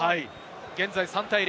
現在、３対０。